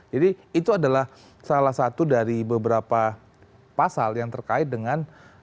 jadi itu adalah salah satu dari beberapa pasal yang terkait dengan